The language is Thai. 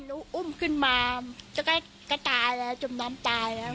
บ้านอุ้มขึ้นมาก็ตายแล้วจนตามตายแล้ว